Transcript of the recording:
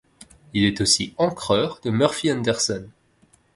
Il est aussi encreur de Murphy Anderson.